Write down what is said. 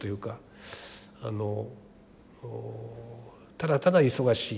ただただ忙しい。